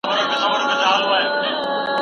کابل د شعر، ادب او هنر د غوړېدو مرکز دی.